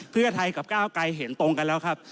เพื่อไทยกับก้าวไกรเห็นตรงกันแล้วครับ